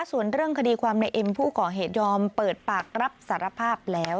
ส่วนเรื่องคดีความในเอ็มผู้ก่อเหตุยอมเปิดปากรับสารภาพแล้ว